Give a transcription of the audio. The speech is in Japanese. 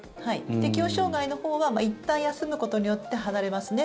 適応障害のほうはいったん休むことによって離れますね。